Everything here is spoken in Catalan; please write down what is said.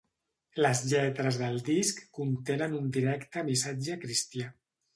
Les lletres del disc contenen un directe missatge cristià.